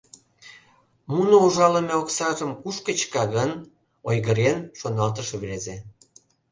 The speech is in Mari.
«Муно ужалыме оксажым кушко чыка гын? — ойгырен, шоналтыш рвезе.